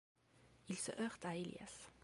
Il se heurte à Elias.